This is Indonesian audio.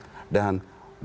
dan dengan kondisi yang lebih